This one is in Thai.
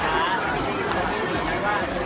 การรับความรักมันเป็นอย่างไร